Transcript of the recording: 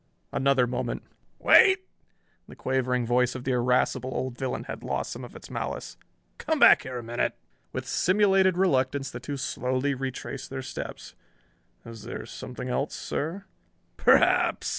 Another moment "Wait!" The quavering voice of the irascible old villain had lost some of its malice. "Come back here a minute." With simulated reluctance the two slowly retraced their steps. "Is there something else, sir?" "Perhaps...."